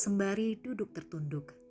sembari duduk tertunduk